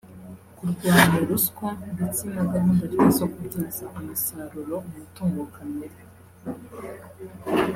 kurwanya ruswa ndetse na gahunda afite zo kubyaza umusaruro umutungo kamere